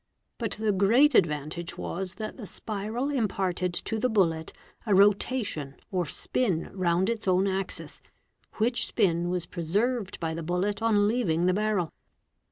But the great advantage was — that the spiral imparted to the bullet a rotation or spin round its own axis, which spin was preserved by the bullet on leaving the barrel.